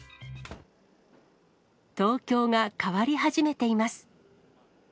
東京が変わり始めています。